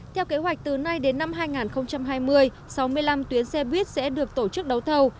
theo kế hoạch từ nay đến năm hai nghìn hai mươi sáu mươi năm tuyến xe buýt sẽ được tổ chức đấu thầu